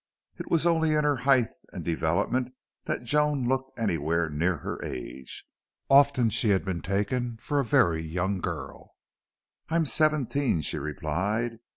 It was only in her height and development that Joan looked anywhere near her age. Often she had been taken for a very young girl. "I'm seventeen," she replied.